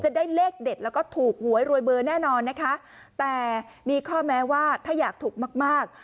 จะได้เลขเด็ดแล้วก็ถูกหวยรวยเบอร์แน่นอนนะคะแต่มีข้อแม้ว่าถ้าอยากถูกมากมาก